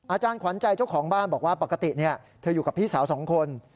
อาจารย์ขวัญใจเจ้าของบ้านบอกว่าปกติเธออยู่กับพี่สาวสองคน